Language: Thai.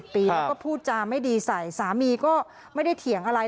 ปีแล้วก็พูดจาไม่ดีใส่สามีก็ไม่ได้เถียงอะไร